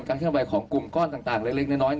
ขึ้นไวของกลุ่มต่างเล็ก